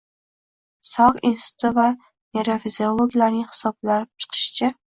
Salk instituti neyrofiziologlarining hisoblab chiqishicha